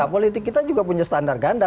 politik kita juga punya standar ganda